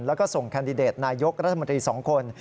แล้วก็ส่งแคนดิเดตนายกรัฐมนตรี๒คน